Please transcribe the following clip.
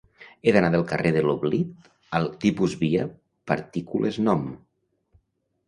He d'anar del carrer de l'Oblit al TIPUS_VIA PARTICULES NOM.